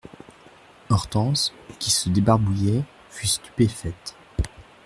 Hortense, qui se débarbouillait, fut stupéfaite.